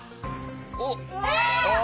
おっ。